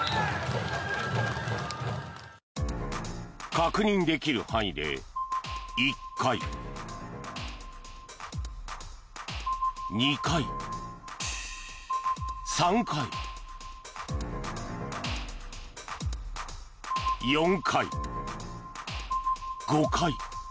確認できる範囲で１回、２回、３回、４回、５回。